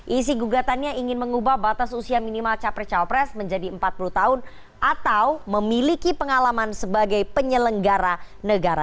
isi gugatannya ingin mengubah batas usia minimal capres cawapres menjadi empat puluh tahun atau memiliki pengalaman sebagai penyelenggara negara